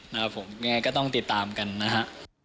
ยังไงก็ต้องติดตามกันนะฮะ